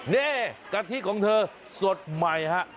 นี่กะทิของเธอสดใหม่ฮะ